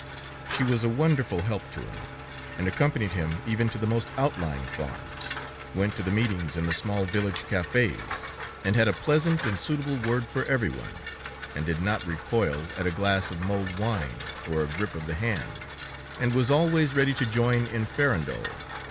She was a wonderful help to him, and accompanied him even to the most outlying farms; went to the meetings in the small village cafés and had a pleasant and suitable word for every one, and did not recoil at a glass of mulled wine or a grip of the hand, and was always ready to join in farandole.